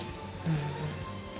うん。